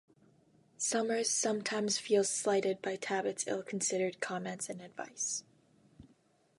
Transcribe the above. Summers sometimes feels slighted by Talbot's ill-considered comments and advice.